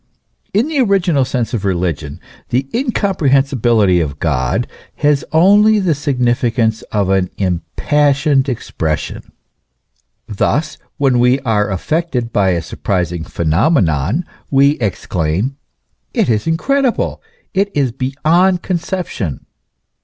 In the original sense of religion, the incomprehensibility of God has only the significance of an impassioned expression. Thus, when we are affected by a surprising phenomenon, we exclaim : It is incredible, it is beyond conception